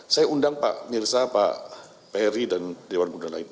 saya undang pak mirsa pak perry dan dewan muda lain